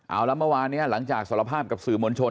เอาละเมื่อวานนี้หลังจากสารภาพกับสื่อมวลชน